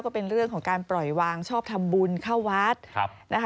ก็เป็นเรื่องของการปล่อยวางชอบทำบุญเข้าวัดนะคะ